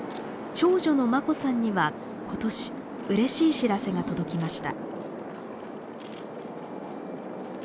長女の眞子さんにはことしうれしい知らせが届きました。